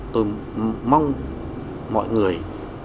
tôi mong mọi người